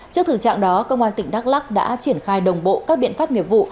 trước thực trạng đó công an tỉnh đắk lắc đã triển khai đồng bộ các biện pháp nghiệp vụ